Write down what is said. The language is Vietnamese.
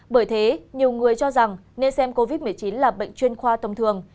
bởi thế nhiều người cho rằng nên xem covid một mươi chín là bệnh chuyên khoa tâm thường